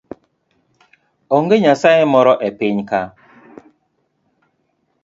Onge nyasaye moro e pinyka